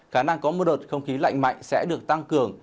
khả năng có mưa đột không khí lạnh mạnh sẽ được tăng cường